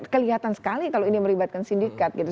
kelihatan sekali kalau ini melibatkan sindikat gitu